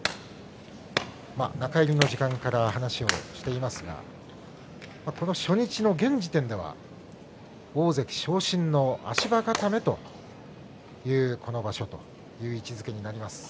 中入りの時間から話をしていますが初日の現時点では大関昇進の足場固めというこの場所という位置的になります。